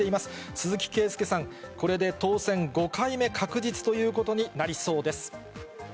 鈴木馨祐さん、これで当選５回目確実ということになりそうです。